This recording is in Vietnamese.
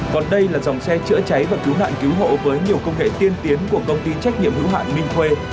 còn đây là dòng xe chữa cháy và cứu nạn cứu hộ với nhiều công nghệ tiên tiến của công ty trách nhiệm hữu hạn minh thuê